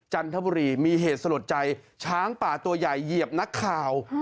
จันทบุรีมีเหตุสลดใจช้างป่าตัวใหญ่เหยียบนักข่าว